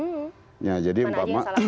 mana aja yang salah